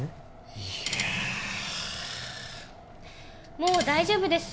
もう大丈夫です。